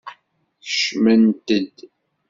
Kecmemt-d!